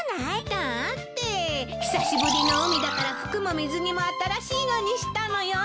だって久しぶりの海だから服も水着も新しいのにしたのよ。